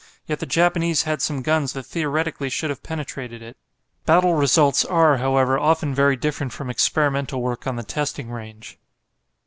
Yet the Japanese had some guns that theoretically should have penetrated it. Battle results are, however, often very different from experimental work on the testing range.